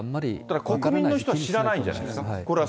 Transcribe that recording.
だから国民の人は知らないんじゃないですか。